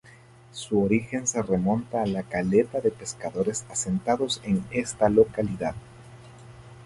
Su origen se remonta a la caleta de pescadores asentados en esta localidad.